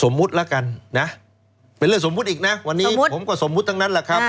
สมมุติละกันเป็นเรื่องสมมุติอีกวันนี้ผมก็สมมุติทั้งนั้น